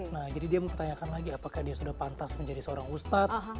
nah jadi dia mempertanyakan lagi apakah dia sudah pantas menjadi seorang ustadz